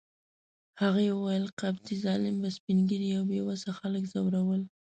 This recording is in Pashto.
هغه وویل: قبطي ظالم به سپین ږیري او بې وسه خلک ځورول.